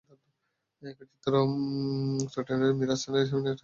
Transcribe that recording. একই চিত্র Mukta tannery, Miraj tannery, Samina ট্যানারিসহ আরও অনেক ট্যানারিতে।